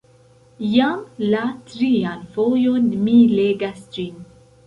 Jam la trian fojon mi legas ĝin.